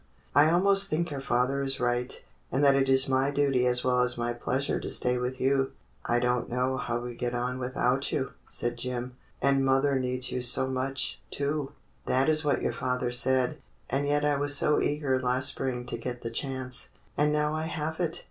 I almost think your father is right, and that it is my duty as well as my pleasure to stay with you." "I don't know how we'd get on without you," said Jim. "And mother needs you so much, too." "That is what your father said. And yet I was so eager last spring to get the chance, and now I have it.